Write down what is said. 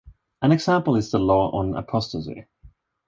An example is the law on apostasy.